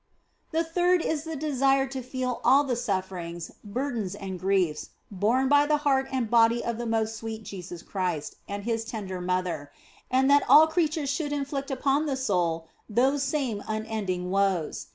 The third is the desire to feel all the sufferings, burdens, and griefs borne by the heart and body of the most sweet Jesus Christ and His tender mother, and that all creatures should inflict upon the soul those same unending woes.